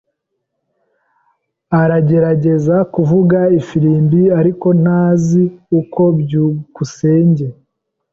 Aragerageza kuvuza ifirimbi, ariko ntazi uko. byukusenge